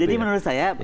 jadi menurut saya